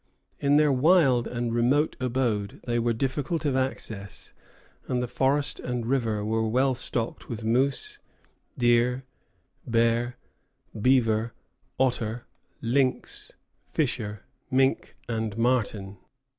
In their wild and remote abode they were difficult of access, and the forest and the river were well stocked with moose, deer, bear, beaver, otter, lynx, fisher, mink, and marten.